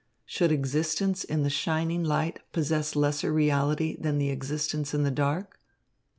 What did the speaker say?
Should existence in the shining light possess lesser reality than existence in the dark?"